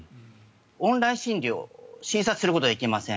オンライン診療、診察することはできません。